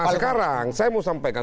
sekarang saya mau sampaikan